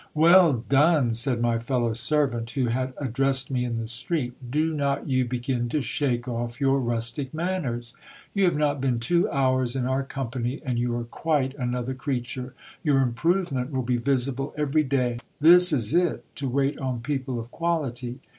\ Well done ! said my fellow servant who 'had addressed me in the street, do not you begin to shake off your rustic manners ? You have not been two hours in our company, and you are quite another creature : your improvement will be visible every day. This it is to wait on people of quality.